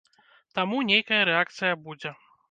Таму, нейкая рэакцыя будзе.